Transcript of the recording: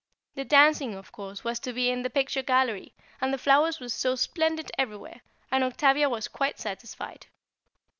The dancing, of course, was to be in the picture gallery, and the flowers were so splendid everywhere, and Octavia was quite satisfied.